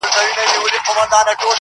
غوږ سه راته.